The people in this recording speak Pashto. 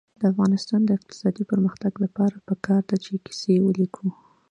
د افغانستان د اقتصادي پرمختګ لپاره پکار ده چې کیسې ولیکو.